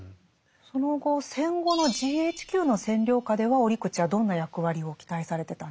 その後戦後のＧＨＱの占領下では折口はどんな役割を期待されてたんですか？